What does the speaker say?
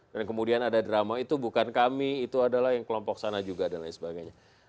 dan kemudian ada drama itu bukan kami itu adalah yang kelompok sana juga dan lain sebagainya